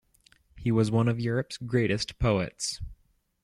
He was one of Europe's greatest poets.